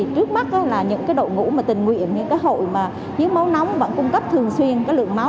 trước mắt là những đội ngũ tình nguyện những hội chiến máu nóng vẫn cung cấp thường xuyên lượng máu